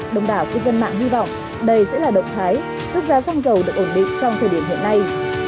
đồng đảo cư dân mạng hy vọng đây sẽ là động thái giúp giá xăng dầu được ổn định trong thời điểm hiện nay